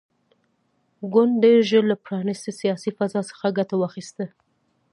ګوند ډېر ژر له پرانیستې سیاسي فضا څخه ګټه واخیسته.